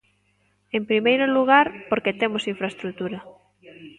En primeiro lugar, porque temos a infraestrutura.